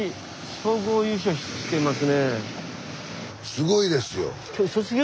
すごいですよ。